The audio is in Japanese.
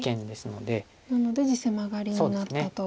なので実戦マガリになったと。